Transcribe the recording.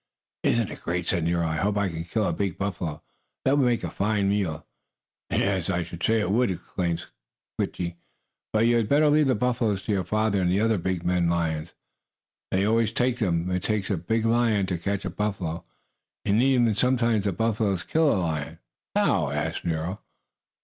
"Isn't it great!" said Nero. "I hope I can kill a big buffalo. That would make a fine meal!" "Yes, I should say it would!" exclaimed Switchie. "But you had better leave the buffaloes to your father and the other big men lions. They always take them. It takes a big lion to catch a buffalo, and even then sometimes the buffaloes kill a lion." "How?" asked Nero.